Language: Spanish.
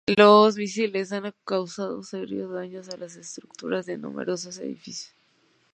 Los misiles han causado serios daños a las estructuras de numerosos edificios.